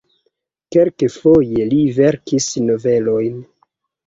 Kelkfoje li verkis novelojn.